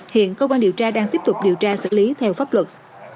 hiện công an điều tra đang tiếp tục điều tra xử lý theo pháp luật